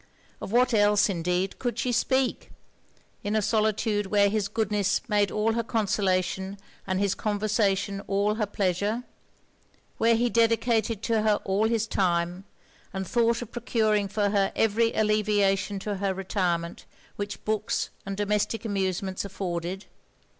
Of what else, indeed, could she speak, in a solitude where his goodness made all her consolation and his conversation all her pleasure? where he dedicated to her all his time, and thought of procuring for her every alleviation to her retirement which books and domestic amusements afforded?